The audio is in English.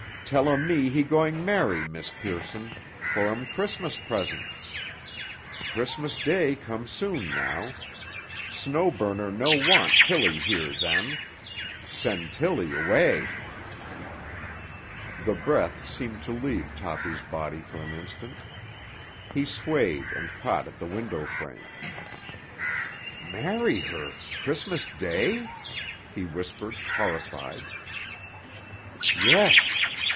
Tell um me he going marry Miss Pearson for um Christmas present. Christmas Day come soon now. Snow Burner no want Tilly here then. Send Tilly 'way." The breath seemed to leave Toppy's body for an instant. He swayed and caught at the window frame. "Marry her—Christmas Day?" he whispered, horrified. "Yes.